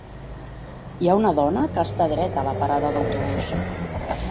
Hi ha una dona que està dreta a la parada d'autobús.